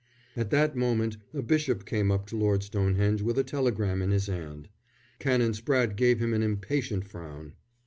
At that moment a bishop came up to Lord Stonehenge with a telegram in his hand. Canon Spratte gave him an impatient frown.